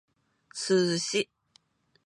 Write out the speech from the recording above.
sushi